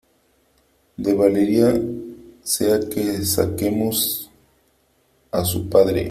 de Valeria sea que saquemos a su padre